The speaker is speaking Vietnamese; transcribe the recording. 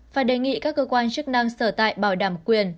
phải đề nghị các cơ quan chức năng sở tại bảo đảm quyền